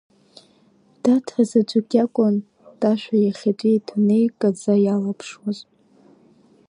Даҭа заҵәык иакәын Ташәа иахьатәи идунеи иккаӡа иалаԥшуаз.